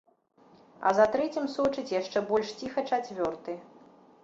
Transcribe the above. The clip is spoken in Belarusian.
А за трэцім сочыць яшчэ больш ціха чацвёрты.